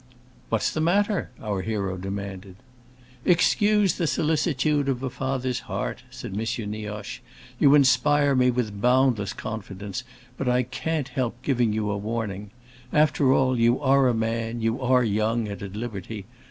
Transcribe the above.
"What's the matter?" our hero demanded. "Excuse the solicitude of a father's heart!" said M. Nioche. "You inspire me with boundless confidence, but I can't help giving you a warning. After all, you are a man, you are young and at liberty.